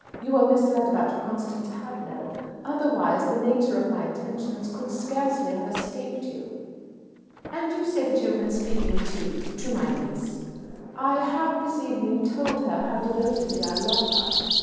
You were misled about Constance Hadlow; otherwise, the nature of my attentions could scarcely have escaped you." "And you say that you have been speaking to to my niece?" "I have this evening told her how devotedly I love her."